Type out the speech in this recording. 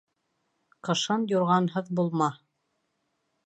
Ҡышын юрғанһыҙ булма.